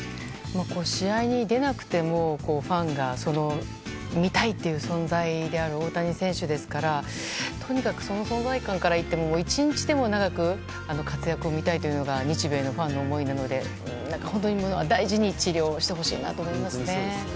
試合に出なくてもファンが見たいという存在である大谷選手ですからとにかく、その存在感からしても一日でも長く活躍を見たいというのが日米のファンの思いなので本当に大事に治療してほしいなと思いますね。